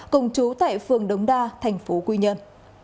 cùng chú tại phường đống đa thành phố quy nhơn